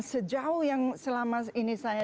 sejauh yang selama ini saya